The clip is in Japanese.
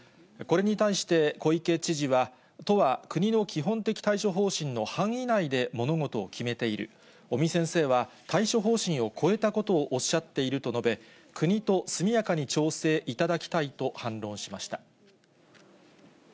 これに対して小池知事は、都は国の基本的対処方針の範囲内で物事を決めている、尾身先生は対処方針を超えたことをおっしゃっていると述べ、国と速やかに調整いただきたいと反論しました。